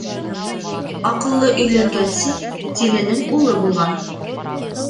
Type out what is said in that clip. Аҡыллы өйләнгәнсе, тиленең улы булған.